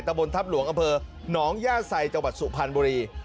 บนทัพหลวงอำเภอหนองย่าไซจังหวัดสุพรรณบุรี